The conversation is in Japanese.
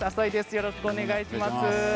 よろしくお願いします。